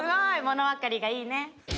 ものわかりがいいね。